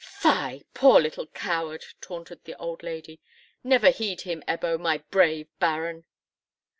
"Fie, poor little coward!" taunted the old lady; "never heed him, Ebbo, my brave Baron!"